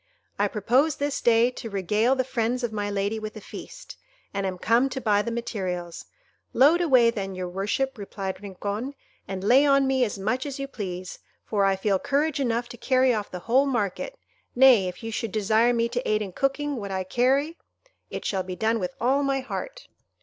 I propose this day to regale the friends of my lady with a feast, and am come to buy the materials." "Load away, then, your worship," replied Rincon, "and lay on me as much as you please, for I feel courage enough to carry off the whole market; nay, if you should desire me to aid in cooking what I carry, it shall be done with all my heart."